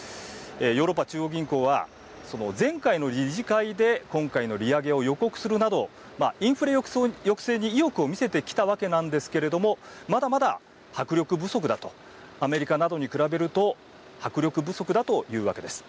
ヨーロッパ中央銀行はその前回の理事会で今回の利上げを予告するなどインフレ抑制に意欲を見せてきたわけなんですけどもまだまだ、迫力不足だとアメリカなどに比べると迫力不足だというわけです。